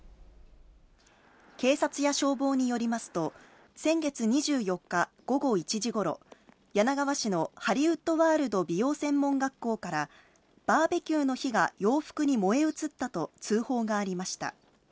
警察や消防によりますと、先月２４日午後１時ごろ、柳川市のハリウッドワールド美容専門学校から、バーベキューの火が洋服に燃え移ったと、通報がありました。